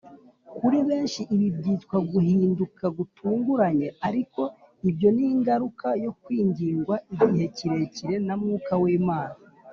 . Kuri benshi ibi byitwa guhinduka gutunguranye; ariko ibyo ni ingaruka yo kwingingwa igihe kirekire na Mwuka w’Imana